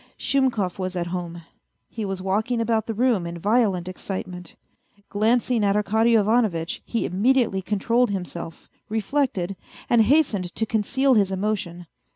Shumkov was at home. He was walking about the room in violent excitement. Glancing at Arkady Ivanovitch, he imme diately controlled himself, reflected, and hastened to conceal his emotion.